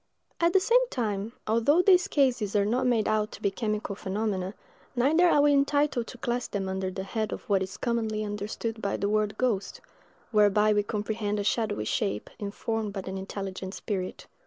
At the same time, although these cases are not made out to be chemical phenomena, neither are we entitled to class them under the head of what is commonly understood by the word ghost; whereby we comprehend a shadowy shape, informed by an intelligent spirit.